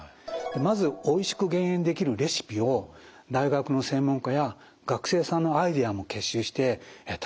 まずおいしく減塩できるレシピを大学の専門家や学生さんのアイデアも結集してたくさん作ってもらいました。